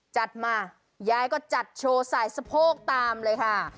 จัดมายายก็จัดโชว์สายสะโพกตามเลยค่ะ